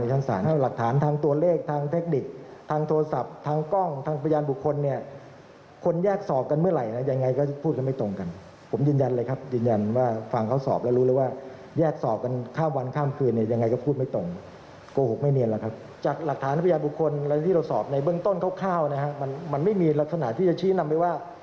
ทหารบุคคลที่เราสอบในเบื้องต้นคร่าวมันไม่มีลักษณะที่จะชี้นำไปว่า